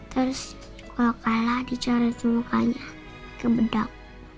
terus kalau kalah dicoret mukanya ke bedak